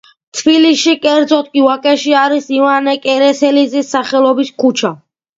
თბილისში, კერძოდ კი ვაკეში, არის ივანე კერესელიძის სახელობის ქუჩა.